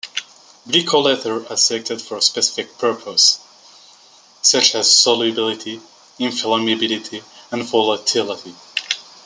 Glycol ethers are selected for specific purposes, such as solubility, inflammability, and volatility.